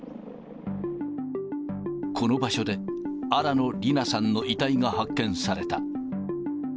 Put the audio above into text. この場所で、新野りなさんの遺体が発見された。